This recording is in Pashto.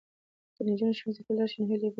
که نجونې ښوونځي ته لاړې شي نو هیلې به یې نه مري.